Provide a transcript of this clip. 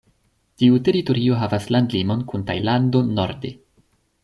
Tiu teritorio havas landlimon kun Tajlando norde.